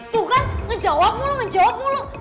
tuh kan ngejawab mulu ngejawab mulu